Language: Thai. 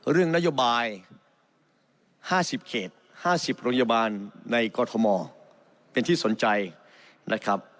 เรื่องนโยบาย๕๐เขต๕๐โรงพยาบาลในกรทมเป็นที่สนใจนะครับ